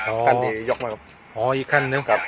อ๋อออีกขั้นนึง